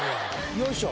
よいしょ。